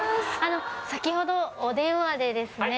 先ほどお電話でですね